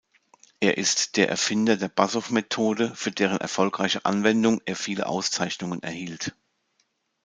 Er ist der Erfinder der „Bassow-Methode“, für deren erfolgreiche Anwendung er viele Auszeichnungen erhielt.